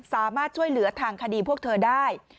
สามารถช่วยเหลือทางคดีพวกเธอได้